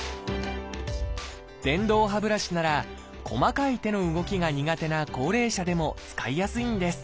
電動歯ブラシなら細かい手の動きが苦手な高齢者でも使いやすいんです。